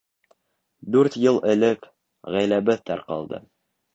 — Дүрт йыл элек ғаиләбеҙ тарҡалды.